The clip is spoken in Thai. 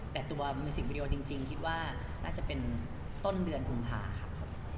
เพราะว่ามูซิกวีดีโอจริงคิดว่าน่าจะเป็นต้นเดือนภูมิภาครับ